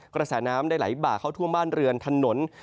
กระแสน้ำได้ไหลบ่าเข้าท่วมบ้านเรือนถนน